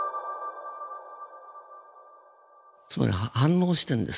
つまり反応してんですよ